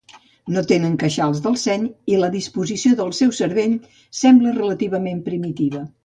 No tenen queixals del seny i la disposició del seu cervell sembla relativament primitiva.